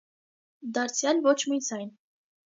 Դարձյալ ոչ մի ձայն: